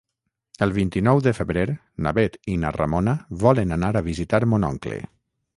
El vint-i-nou de febrer na Bet i na Ramona volen anar a visitar mon oncle.